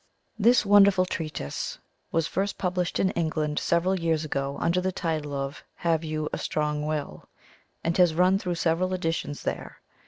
This wonderful treatise was first published in England several years ago, under the title of "Have You a Strong Will?" and has run through several editions there.